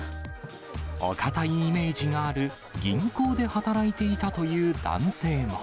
お堅いイメージがある銀行で働いていたという男性も。